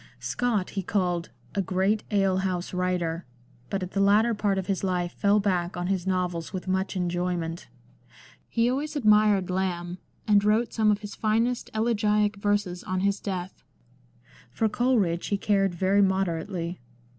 Scott he called " a great ale house writer," but at the latter part of his life fell back on his novels with much enjoy ment. He always admired Lamb, and wrote some of his finest elegiac verses on his death. For Coleridge he cared very moder ately.